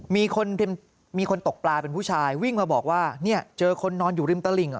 มีคนตกปลาเป็นผู้ชายวิ่งมาบอกว่าเจอคนนอนอยู่ริมตะหลิง